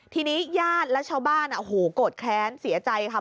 ทีนี้ญาติและชาวบ้านโอ้โหโกรธแค้นเสียใจค่ะ